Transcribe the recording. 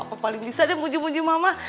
apa paling bisa deh puji puju mama